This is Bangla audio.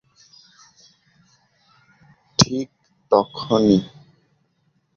ঠিক তক্ষুণি।